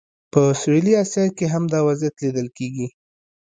په سویلي اسیا کې هم دا وضعیت لیدل کېږي.